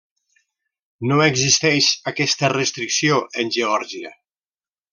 No existeix aquesta restricció en Geòrgia.